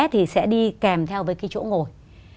thì sẽ đi kèm theo với cái chỗ ngồi